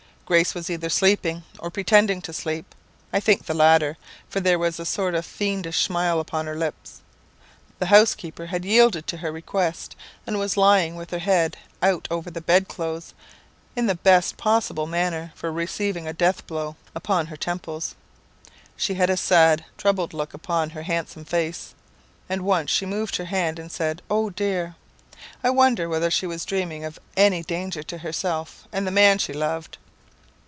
Grace was either sleeping, or pretending to sleep I think the latter, for there was a sort of fiendish smile upon her lips. The housekeeper had yielded to her request, and was lying with her head out over the bed clothes, in the best possible manner for receiving a death blow upon her temples. She had a sad, troubled look upon her handsome face; and once she moved her hand, and said 'Oh dear!' I wondered whether she was dreaming of any danger to herself and the man she loved.